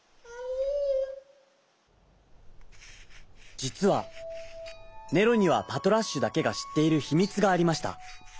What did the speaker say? じつはネロにはパトラッシュだけがしっているひみつがありました。